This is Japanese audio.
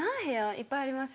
いっぱいあります。